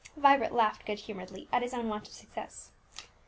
Vibert laughed good humouredly at his own want of success.